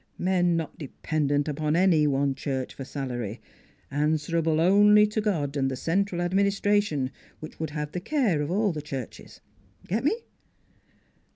Men not dependent upon any one church for salary; an swerable only to God and the central adminis tration, which would have the care of all the churches. ... Get me?"